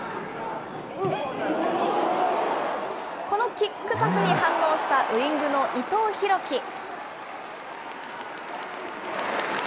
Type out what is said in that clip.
このキックパスに反応した、ウイングの伊藤大暉。